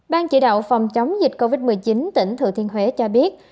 ban chỉ đạo phòng chống dịch covid một mươi chín tỉnh thừa thiên huế cho biết